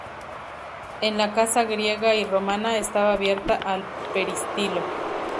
En la casa griega y romana estaba abierta al peristilo.